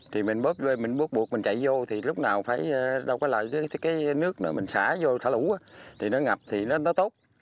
thì mình bớt buộc mình chạy vô thì lúc nào phải đâu có lại cái nước nữa mình xả vô thả lũ thì nó ngập thì nó tốt